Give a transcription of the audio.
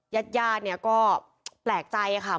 ยาดเนี่ยก็แปลกใจค่ะ